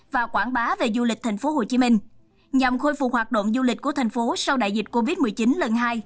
và quảng bá về du lịch tp hcm nhằm khôi phục hoạt động du lịch của thành phố sau đại dịch covid một mươi chín lần hai